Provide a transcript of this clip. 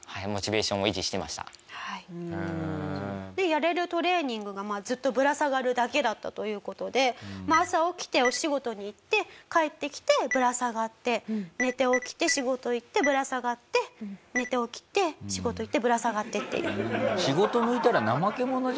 やれるトレーニングがずっとぶら下がるだけだったという事で朝起きてお仕事に行って帰ってきてぶら下がって寝て起きて仕事行ってぶら下がって寝て起きて仕事行ってぶら下がってっていう。